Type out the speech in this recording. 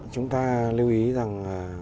chúng ta lưu ý rằng